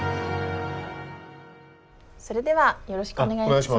それではよろしくお願いします。